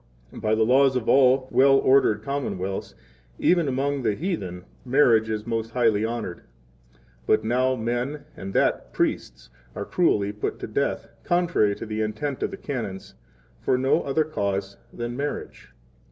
By the laws of all 20 well ordered commonwealths, even among the heathen, marriage is most highly honored. 21 But now men, and that, priests, are cruelly put to death, contrary to the intent of the Canons, for no other cause than 22 marriage.